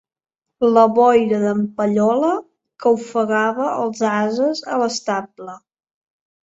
La boira d'en Pallola, que ofegava els ases a l'estable.